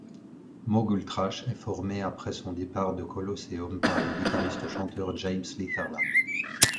Mogul Thrash est formé après son départ de Colosseum par le guitariste-chanteur James Litherland.